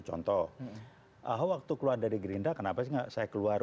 contoh ahok waktu keluar dari gerindra kenapa sih saya keluar